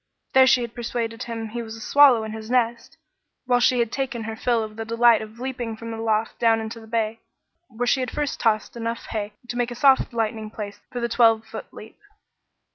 There she had persuaded him he was a swallow in his nest, while she had taken her fill of the delight of leaping from the loft down into the bay, where she had first tossed enough hay to make a soft lighting place for the twelve foot leap.